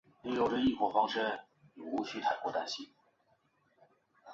两个履带框架之间由钢管和铅管连接。